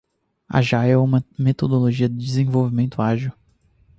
Agile é uma metodologia de desenvolvimento ágil.